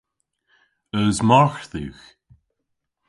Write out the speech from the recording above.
Eus margh dhywgh?